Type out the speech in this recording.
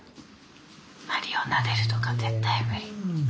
まりをなでるとか絶対無理。